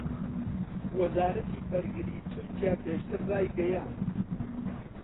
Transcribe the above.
وەزارەتی بەرگریی تورکیا پێشتر ڕایگەیاند